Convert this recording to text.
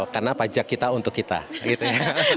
karena pajak kita untuk kita gitu ya